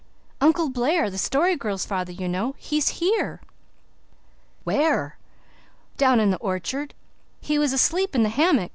"Uncle Blair the Story Girl's father, you know. He's here." "WHERE?" "Down in the orchard. He was asleep in the hammock.